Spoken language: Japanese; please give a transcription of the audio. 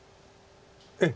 ええ。